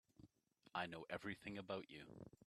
I know everything about you.